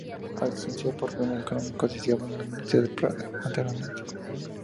Acuciado por problemas económicos, decidió abandonar la universidad prematuramente.